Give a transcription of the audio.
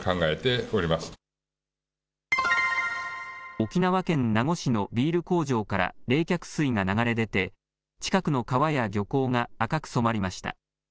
沖縄県名護市のビール工場から、冷却水が流れ出て、近くの川や漁港が赤く染まりました。